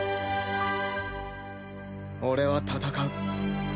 俺は戦う。